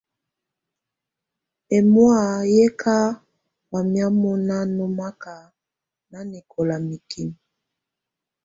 Ɛ̀mɔ̀á yɛ̀ kà wayɛ̀á mɔ̀na nɔmaka nanɛkɔla mikimǝ.